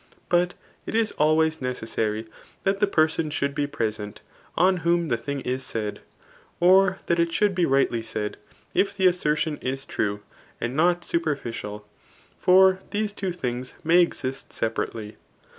But it is always necessary that the person should be present on whom the thing is said, or that it should be rightly S2ud, if the assertion is true^ and' not superficial ; for these two things may exist sepa*> rately.